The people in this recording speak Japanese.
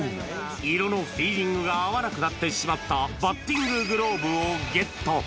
色のフィーリングが合わなくなってしまったバッティンググローブをゲット。